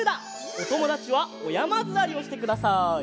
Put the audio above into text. おともだちはおやまずわりをしてください。